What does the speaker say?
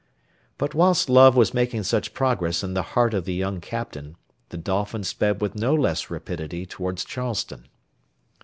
But whilst love was making such progress in the heart of the young Captain, the Dolphin sped with no less rapidity towards Charleston.